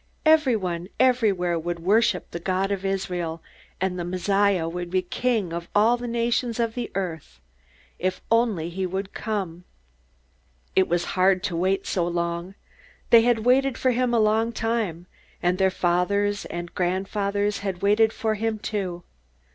Everyone, everywhere, would worship the God of Israel, and the Messiah would be King of all the nations of the earth. If only he would come! It was hard to wait so long. They had waited for him a long time, and their fathers and grandfathers had waited for him too.